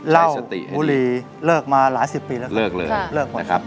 เหล้าบุรีเลิกมาหลายสิบปีแล้วครับ